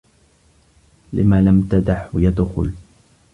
لم لم تدْعه يدخل؟